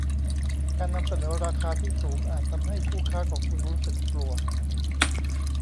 การนำเสนอราคาที่สูงอาจทำให้คู่ค้าของคุณรู้สึกกลัว